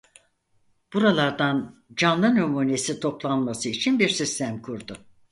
Buralardan canlı numunesi toplanması için bir sistem kurdu.